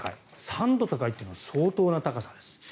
３度高いというのは相当な高さです。